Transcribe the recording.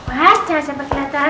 awas jangan sampai kelihatan oma